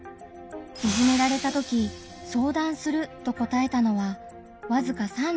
いじめられたとき「相談する」と答えたのはわずか３６．６％。